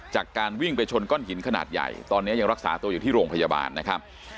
จากการวิ่งไปชนก้อนหินขนาดใหญ่ตอนนี้ยังรักษาตัวอยู่ที่โรงพยาบาลนะครับ